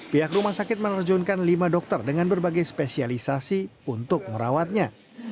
pihak rumah sakit menerjunkan lima dokter dengan berbagai spesialisasi untuk merawatnya